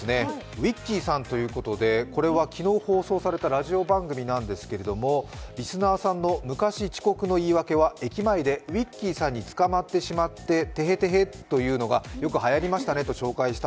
ウイッキーさんということでこれは昨日放送されたラジオ番組なんですけれども、リスナーさんの昔遅刻の言い訳は駅前でウィッキーさんにつかまってしまってテヘテヘということがはやりましたね。